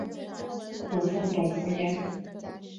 祖父董孚言。